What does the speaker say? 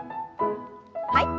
はい。